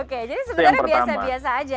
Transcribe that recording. oke jadi sebenarnya biasa biasa aja